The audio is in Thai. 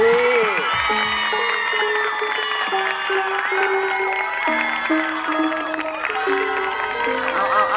เอา